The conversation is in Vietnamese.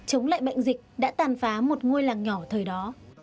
chống lại bệnh dịch đã tàn phá một ngôi làng nhỏ thời đó